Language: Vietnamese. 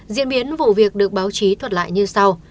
diễn biến vụ việc được báo chí thuật lại như sau